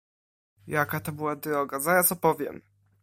"Jaka to była droga, zaraz opowiem."